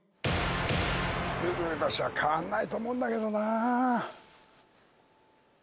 うるう年は変わんないと思うんだけどな。